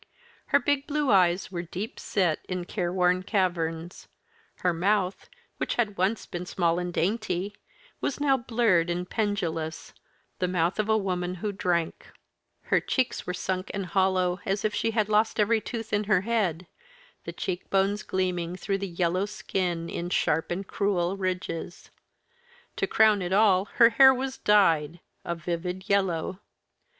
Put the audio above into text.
Her big blue eyes were deep set in careworn caverns; her mouth, which had once been small and dainty, was now blurred and pendulous, the mouth of a woman who drank; her cheeks were sunk and hollow as if she had lost every tooth in her head, the cheek bones gleaming through the yellow skin in sharp and cruel ridges. To crown it all, her hair was dyed a vivid yellow.